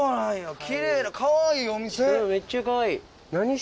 めっちゃかわいい。